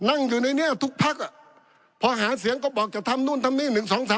นั่งอยู่ในนี่ทุกภัคดิ์พอหาเสียงก็บอกจะทำนู่นนี่๑๒๓๔๕